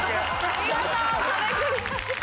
見事壁クリアです。